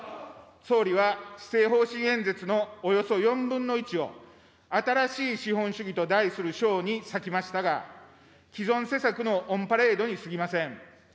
総理は、施政方針演説のおよそ４分の１を新しい資本主義と題する章に割きましたが、既存施策のオンパレードにすぎません。